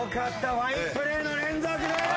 ファインプレーの連続で。